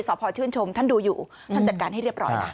สอบพอชื่นชมท่านดูอยู่ท่านจัดการให้เรียบร้อยนะ